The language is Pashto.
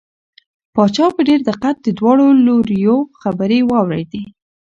پاچا په ډېر دقت د دواړو لوریو خبرې واورېدې.